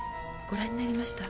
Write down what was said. ご覧になりました？